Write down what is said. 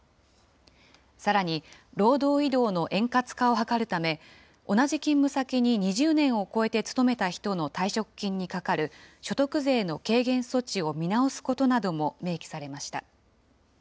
さらに、労働移動の円滑化を図るため、同じ勤務先に２０年を超えて勤めた人の退職金にかかる所得税の軽減措置を見直すことなども明記されました。